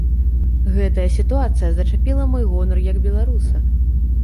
Гэтая сітуацыя зачапіла мой гонар, як беларуса.